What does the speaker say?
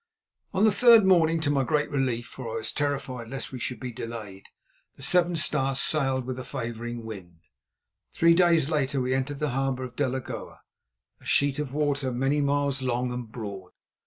On the third morning, to my great relief, for I was terrified lest we should be delayed, the Seven Stars sailed with a favouring wind. Three days later we entered the harbour of Delagoa, a sheet of water many miles long and broad.